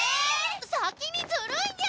⁉先にずるいにゃ！